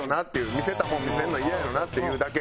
見せたもん見せるのイヤやろうなっていうだけ。